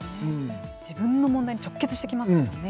自分の問題に直結してきますからね。